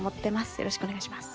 よろしくお願いします。